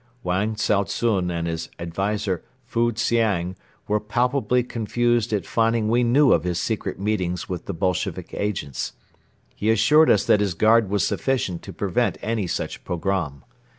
Wang Tsao tsun and his advisor Fu Hsiang were palpably confused at finding we knew of his secret meetings with the Bolshevik agents. He assured us that his guard was sufficient to prevent any such pogrom.